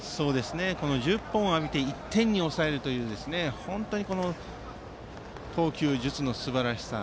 １０本を浴びて１点に抑えるという本当に投球術のすばらしさ。